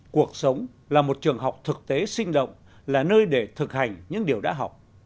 cuộc sống là một trường học thực tế sinh động là nơi để thực hành những điều đã học